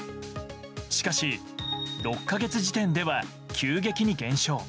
しかし、６か月時点では急激に減少。